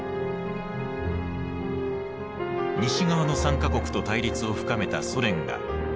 西側の３か国と対立を深めたソ連がベルリンを封鎖。